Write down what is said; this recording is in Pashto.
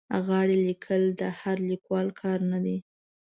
غاړې لیکل د هر لیکوال کار نه دی.